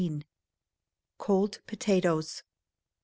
Cold Potatoes.